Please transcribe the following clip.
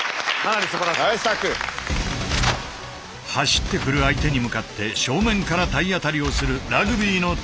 走ってくる相手に向かって正面から体当たりをするラグビーのタックル。